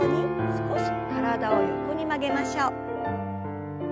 少し体を横に曲げましょう。